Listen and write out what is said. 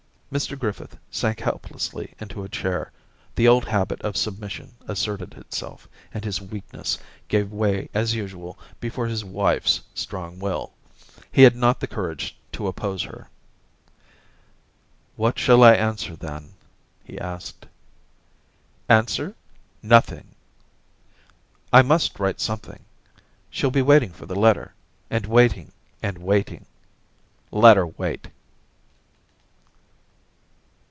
* Mr Griffith sank helplessly into a chair, the old habit of submission asserted itself, and his weakness gave way as usual before his wife's strong will. He had not the courage to oppose her. * What shall I answer^ then ?' he asked. * Answer } Nothing.' * I must write something. She'll be wait ing for the letter, and waiting and waiting.' * Let her wait.